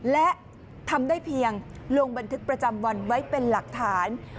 และทำได้เพียงลงบันทึกประจำวันไว้เป็นหลักฐาน